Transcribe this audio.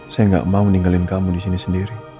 saya gak mau ninggalin kamu disini sendiri